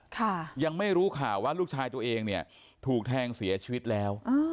ยังไม่รู้ข่าวว่าลูกชายตัวเองเนี่ยถูกแทงเสียชีวิตแล้ว